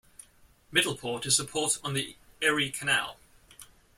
Middleport is a port on the Erie Canal.